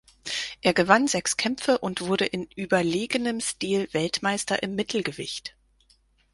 Er gewann sechs Kämpfe und wurde in überlegenem Stil Weltmeister im Mittelgewicht.